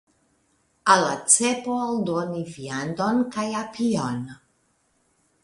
Al la cepo aldoni viandon kaj apion.